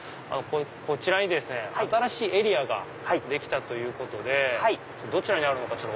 こちらにですね新しいエリアができたということでどちらにあるのか。